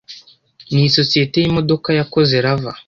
Ni sosiyete yimodoka yakoze rava